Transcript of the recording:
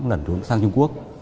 lần trốn sang trung quốc